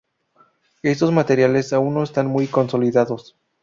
Estos materiales aún no están muy consolidados.